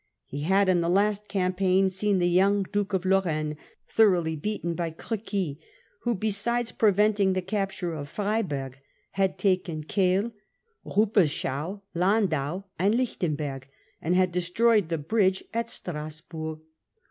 He had m the last campaign seen Lorraine. the young Duke of Lorraine thoroughly beaten by Crequy, who, besides preventing the capture of Frei burg, had taken Kehl, Ruperschau, Landau, and Lich tenberg, and had destroyed the bridge at Strassburg.